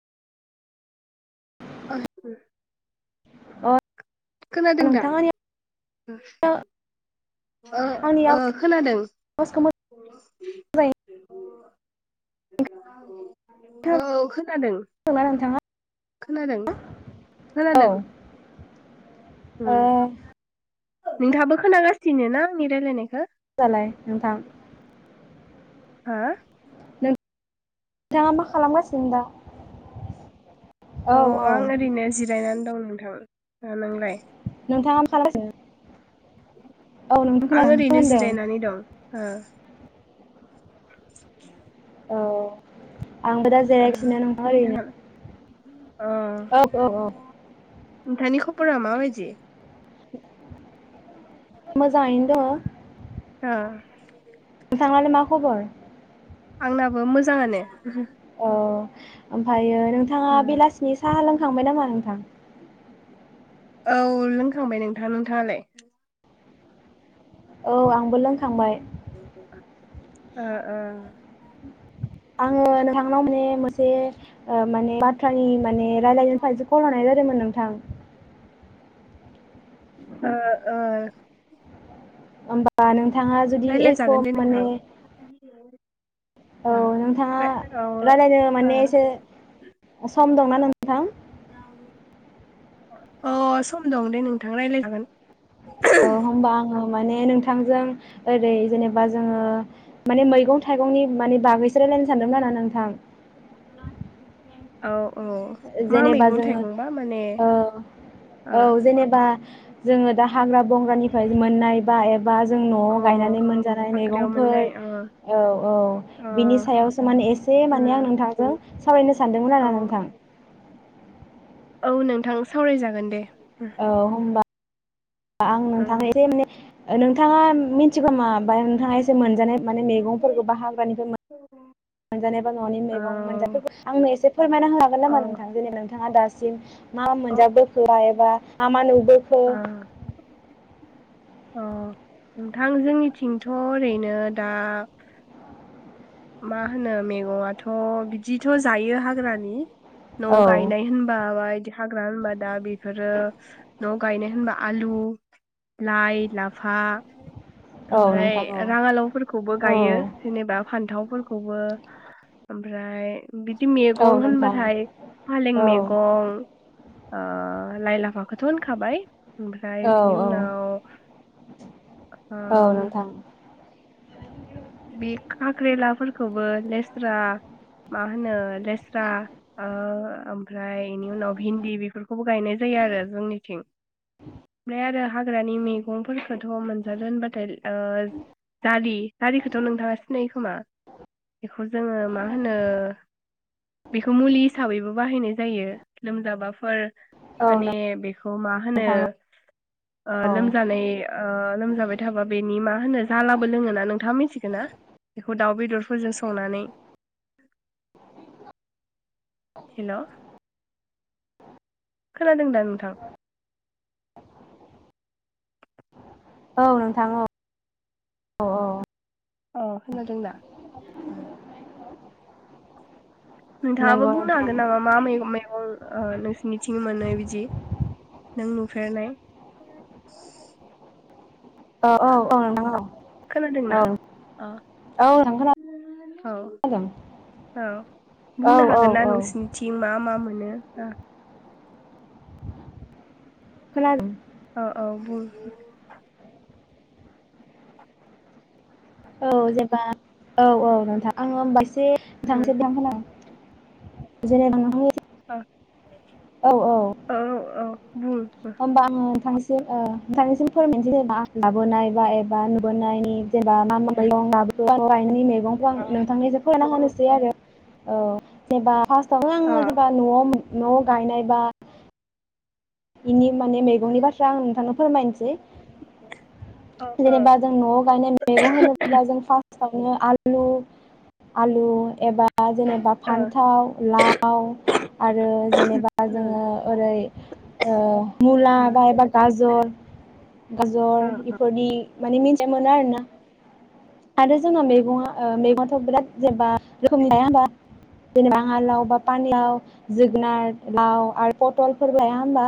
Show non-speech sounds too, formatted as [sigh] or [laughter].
[unintelligible] अ खोनादों दा? नोंथां उम आंनियाव ओ आंनि ओ खोनादों। आवाजखौ मोजाङै खोनादोंना [inaudible] ओ खोनादों। नोंथाङा? खोनादों औ खोनादों। ओ नोंथांङाबो खोनागासिनो ना आंनि रायलायनायखो? दालाय नोंथां? होया? थांङा मा खालामगासिनो दा? औ अ औ आं ओरैनो जिरायनानै दंमोन थां, ओ नोंलाय? नोंथांङा मा खालामगासिनो? औ नोंथां आं खोनादों ओरैनो होनदों जिरायनानै दं ओ [inaudible] औ आंबो दा ओ जिरायगासिनो नोंथाङा [unintelligible] [inaudible] औ औ औ नोंथांनि खबरा मा बायदि? मोजांङैनो दंङ। ओ मा खबर? आंनाबो मोजांङानो। अह ओमफायो नोंथांङा उम बेलासिनि साहा लों खांबाय नामा नोंथां? औ लोंखांबाय नोंथां नोंथांङालाय? औ आं बो लोंखांबाय। ओ ओ आंङो नोंथांनाव माने मोनसे ओ माने बाथ्रानि माने रायलायनाय निफ्रायसो कल हरनाय जादोंमोन नोंथां। ओ ओ ओमबा नों थांङा जुदि एख' रायलायजागोन दे माने नोंथां औ ओ नोंथाङा ओमफ्राय रायलायनो माने एसे सम दंना नोंथां? उनाव अ सम दं दे नोंथां रायलायजागोन। अ होमबा आङो माने नोंथांजों ओरै जेनेबा जोङो माने मैगं थाइगंनि माने बागैसो रायलायनो सानदोंमोन आरो नोंथां। औ औ मा जेनेबा मैगं जोङो थाइगंबा माने औ ओ औ जेनेबा जोङो दा हाग्रा बंग्रानिफ्राय मोननाय बा एबा जों न'आव अ गायनानै मोनजानाय हाग्रायाव मैगंफोर मोननाय अ औ औ अ बिनि सायावसो माने एसे माने आं उम नोंथांजों सावरायनो सानदोंमोन औ आरो नोंथां। औ नोंथां सावरायजागोन दे। औ होमबा आं उम नोंथांनो एसे माने ओ नोंथाङा [unintelligible] नोंथाङा एसे मोनजानाय माने मेगंफोरखौ बा हाग्रानिफ्राय मोनजानाय बा न'नि औ मैगं [unintelligible] आंनो [unintelligible] फोरमायना होनो हागोन औ नामा नोंथां दिनै नोंथाङा दा [unintelligible] मा औ मोनजा बोखो? [unintelligible] बा मा मा नु बोखो अ नोंथां जोंनिथिंथ' ओरैनो दा मा होनो मैगंआथ' बिदिथ' जायो हाग्रानि औ नवाव गायनाय होनबा बा इदि हाग्रानि होनबा दा बेफोरो न आव गायनाय होनबा आलु लाइ लाफा औ ओमफ्राय नोंथां औ राङालावफोरखौबो गायो औ जेनेबा फान्थाव फोरखौबो ओमफ्राय बिदि औ मेगं नोंथां होनबाथाय फालें औ मेगं आ लाइ लाफाखौथ होनखाबाय ओमफ्राय औ बिनि औ उनाव औ आम नोंथां बे खाख्रेलाफोरखौबो लेस्रा मा होनो लेस्रा ओमफ्राय बेनि उनाव भिन्दि बेफोरखौबो गायनाय जायो आरो जोंनिथिं ओमफ्राय आरो हाग्रानि मैगंफोरखौथ' मोनजादों होनबाथाय ओ जालि खारिखौथ नोंथाङा सिनायो खोमा बेखौ जोङो मा होनो बेखौ मुलि हिसाबैबो बा बाहायनाय जायो लोमजाबा फोर औ माने बेखौ मा होनो नोंथां ओ औ लोमजानाय ओ लोमजाबाय थाबा बेनि मा होनो जालाबो लोङोना नों थाङा मिथिगोना बेखौ दाउ बेदरफोरजों संनानै हेलौ खोनादों दा नोंथां औ नोंथां औ औ औ अह खोदोंदा उम नोंथाङाबो नंगौ बुंनो नोंथां हागोन नामा मा मैगं मैगं ओ नोंसिनिथिं मोनो बिदि नों नुफेरनाय औ औ औ नोंथां औ खोनादोंना ओ औ नोंथां औ खोनादों औ औ बुंनो हागोन ना औ औ नोंसिनिथि मा मा मोन नो दा खोनादों औ औ बुं औ जेनबा औ औ नोंथां आङो होमबासे उम थांजोबदां खोनांदों जेनेबा नोंथां ओ ओ औ औ बुं अ होमबा आं थांस ओ नोंथांनिसिम फोरमायनोसै जेनेबा लाबोनाय बा एबा नुबोनायनि जेनेबा मा मा मैगं लाबो [unintelligible] गंखौ आं नोंथांनिबो खौना होनो सैआरो औ जेनेबा पास सावनो अ आ जेनेबा न'आव मो न' गायनाय बा इनि माने मैगंनि बाथ्रा आं नोंथांनो फोरमायनोसै अ ओ जेनेबा ओ जों न'आव गायनाय मैगं होनोब्ला जों फा सावनो आलु आलु एबा जेनेबा फान्थाव लाव आरो जेनेबा उम जोङो ओरै ओ मुला बा उम एबा गाजर गाजर ओ बेफोरनि मानि मिथिनो आरो ना? आरो जोंना मैगङा ओ मैगङथ' बिराद जेनेबा रोखोमनि थाया होमबा? जेनेबा राङालाव, बा पानिलाव, जोगोनार, लाव आरो पटलफोर लाया हबा?